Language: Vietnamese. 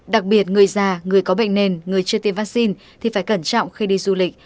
đặc biệt người già người có bệnh nền người chưa tiêm vaccine thì phải cẩn trọng khi đi du lịch